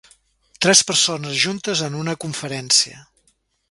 Tres persones juntes en una conferència